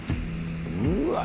うわ！